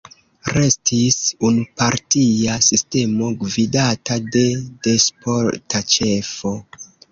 Restis unupartia sistemo gvidata de despota ĉefo.